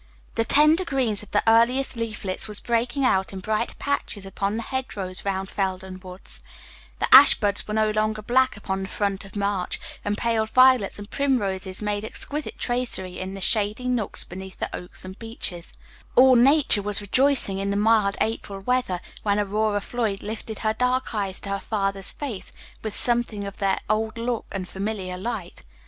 The tender green of the earliest leaflets was breaking out in bright patches upon the hedge rows round Felden Woods; the ashbuds were no longer black upon the front of March, and pale violets and primroses made exquisite tracery in the shady nooks beneath the oaks and beeches; all nature was rejoicing in the mild April weather when Aurora Floyd lifted her dark eyes to her father's face with something of their old look and familiar light.